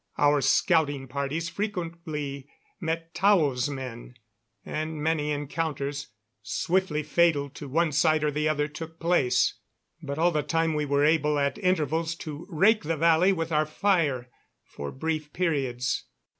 Our scouting parties frequently met Tao's men, and many encounters, swiftly fatal to one side or the other, took place. But all the time we were able, at intervals, to rake the valley with our fire for brief periods.